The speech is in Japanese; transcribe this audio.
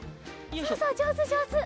そうそうじょうずじょうず！